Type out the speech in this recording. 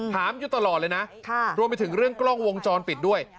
อยู่ตลอดเลยนะรวมไปถึงเรื่องกล้องวงจรปิดด้วย